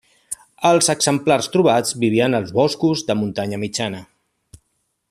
Els exemplars trobats vivien als boscos de muntanya mitjana.